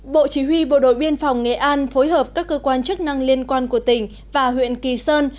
bộ chỉ huy bộ đội biên phòng nghệ an phối hợp các cơ quan chức năng liên quan của tỉnh và huyện kỳ sơn